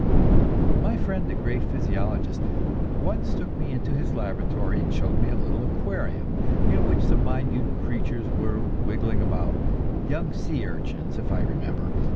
My friend the great physiologist once took me into his laboratory and showed me a little aquarium in which some minute creatures were wiggling about young sea urchins, if I remember.